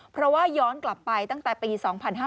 เพราะว่าย้อนกลับไปตั้งแต่ปี๒๕๕๙